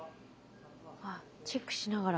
あっチェックしながら。